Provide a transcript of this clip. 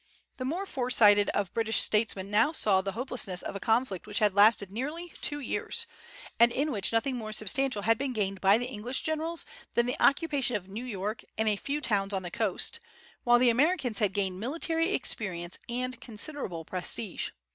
The more foresighted of British statesmen saw now the hopelessness of a conflict which had lasted nearly two years, and in which nothing more substantial had been gained by the English generals than the occupation of New York and a few towns on the coast, while the Americans had gained military experience and considerable prestige.